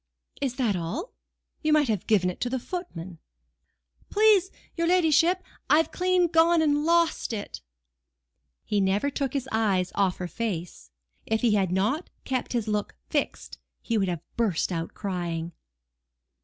"Is that all? You might have given it to the footman." "Please your ladyship, I've clean gone and lost it." He never took his eyes off her face. If he had not kept his look fixed, he would have burst out crying.